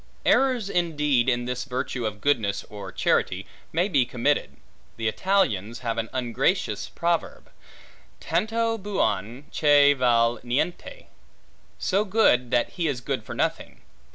Errors indeed in this virtue of goodness, or charity, may be committed. The Italians have an ungracious proverb, Tanto buon che val niente: so good, that he is good for nothing.